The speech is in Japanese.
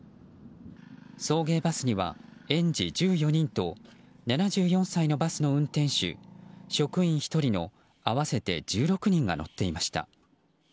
送迎バスには、園児１４人と７４歳のバスの運転手職員１人の合わせて１６人が乗っていました。